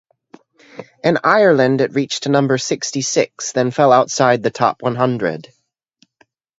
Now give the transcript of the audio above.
In Ireland, it reached number sixty-six, then fell outside the top one hundred.